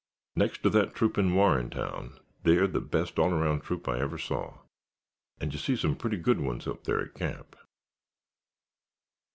"Next to that troop in Warrentown they're the best all around troop I ever saw—and you see some pretty good ones up there at camp."